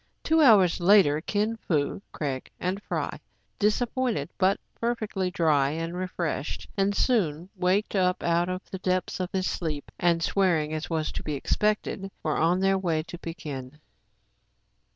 Two hours later, Kin Fo, Craig, and Fry, disap pointed, but perfectly dry and refreshed, and Soun waked up out of the depths of his sleep, and swearing as was to be expected, were on their way to Pekin.